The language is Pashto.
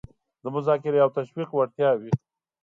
د مذاکرې او تشویق وړتیاوې